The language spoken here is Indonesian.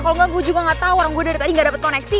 kalo ga gue juga gak tau orang gue dari tadi gak dapat koneksi